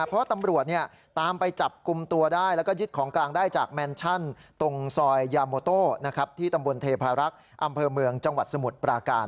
เพราะตำรวจตามไปจับกลุ่มตัวได้แล้วก็ยึดของกลางได้จากแมนชั่นตรงซอยยาโมโต้ที่ตำบลเทพารักษ์อำเภอเมืองจังหวัดสมุทรปราการ